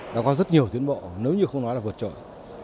đã có rất nhiều tiến bộ nếu như không nói là vượt trội